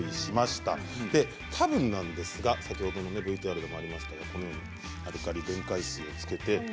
たぶんなんですが先ほどのＶＴＲでもありましたようにアルカリ電解水を付けて。